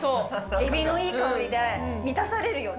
エビのいい香りで満たされるよね。